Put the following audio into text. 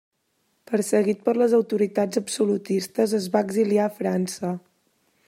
Perseguit per les autoritats absolutistes es va exiliar a França.